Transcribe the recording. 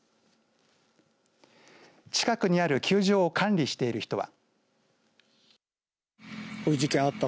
近くにある球場を管理している人は。